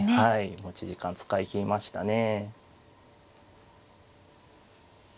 持ち時間使い切りましたね。